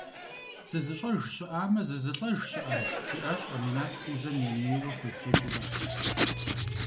«Зызыщӏэж щыӏамэ зызылӏэж щыӏэнт?» - жиӏащ Аминат, Фузэ ней-нейуэ хуеплъэкӏыурэ.